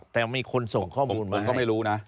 แต่มีคนส่งข้อมูลผมก็ไม่รู้นะ